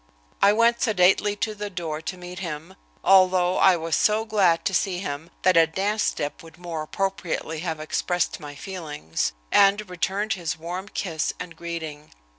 I went sedately to the door to meet him, although I was so glad to see him that a dance step would more appropriately have expressed my feelings, and returned his warm kiss and greeting.